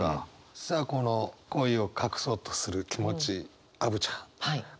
さあこの好意を隠そうとする気持ちアヴちゃん。